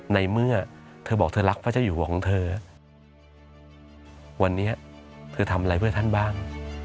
ในเมื่อเธอบอกเธอรักพระเจ้าอยู่หัวของเธอวันนี้เธอทำอะไรเพื่อท่านบ้าง